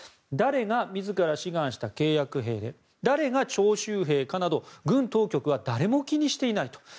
誰が自ら志願した契約兵で誰が徴集兵かなど軍当局は誰も気にしていないと。